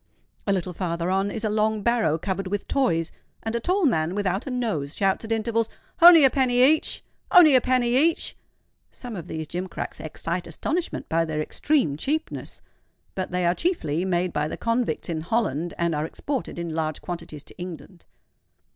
A little farther on is a long barrow covered with toys; and a tall man without a nose, shouts at intervals, "Only a penny each! only a penny each!" Some of these gimcracks excite astonishment by their extreme cheapness; but they are chiefly made by the convicts in Holland, and are exported in large quantities to England.